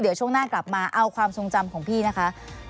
เดี๋ยวช่วงหน้ากลับมาเอาความทรงจำของพี่นะคะ